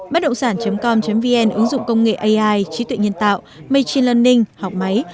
bất động sản com vn ứng dụng công nghệ ai trí tuệ nhân tạo machin learning học máy